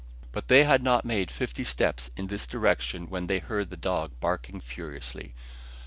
But they had not made fifty steps in this direction, when they heard the dog barking furiously.